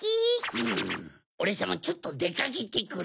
うんオレさまちょっとでかけてくる。